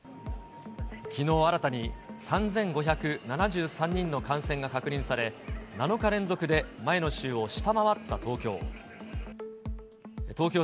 きのう新たに３５７３人の感染が確認され、７日連続で前の週を下回った東京。